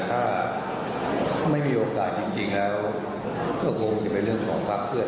ถ้าไม่มีโอกาสจริงแล้วก็คงจะเป็นเรื่องของพักเพื่อ